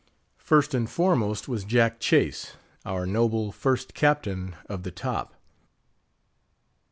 First and foremost was Jack Chase, our noble First Captain of the Top.